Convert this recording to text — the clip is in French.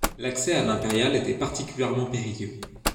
L'accès à l'impériale était particulièrement périlleux.